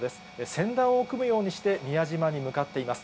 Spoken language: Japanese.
船団を組むようにして宮島に向かっています。